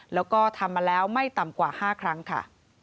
แล้วก็ทำมาแล้วไม่ต่ำกว่า๕ครั้งค่ะ